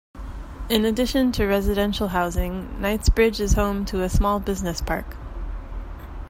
In addition to residential housing, Knightsbridge is home to a small business park.